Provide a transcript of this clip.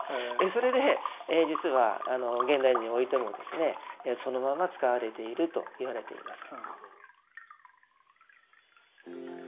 それで実は現代においてもですねそのまま使われているといわれています。